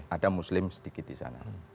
ada muslim sedikit di sana